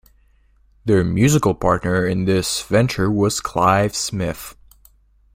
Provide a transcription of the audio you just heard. Their musical partner in this venture was Clive Smith.